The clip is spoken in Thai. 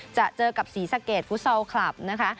จะเจอกับศรีสะเกดฟุตซอลคลับนะคะ